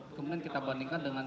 kemudian kita bandingkan dengan